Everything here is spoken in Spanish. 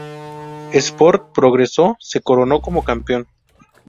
Sport Progreso se coronó como campeón.